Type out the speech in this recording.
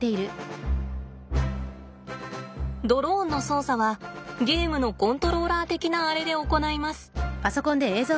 ドローンの操作はゲームのコントローラー的なアレで行います。